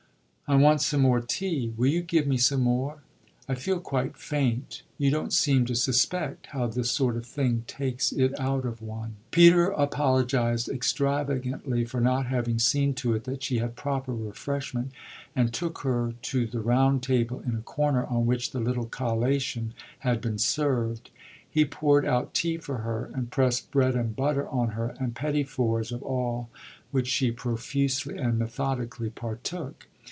"I want some more tea: will you give me some more? I feel quite faint. You don't seem to suspect how this sort of thing takes it out of one." Peter apologised extravagantly for not having seen to it that she had proper refreshment, and took her to the round table, in a corner, on which the little collation had been served. He poured out tea for her and pressed bread and butter on her and petits fours, of all which she profusely and methodically partook.